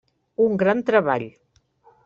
Un gran treball.